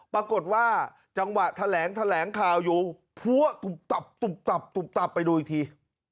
ปรากฏว่าจังหวะแถลงแถลงข่าวอยู่พัวตุบตับตุบตับตุบตับไปดูอีกที